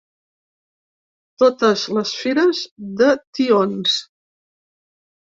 Totes les fires de tions.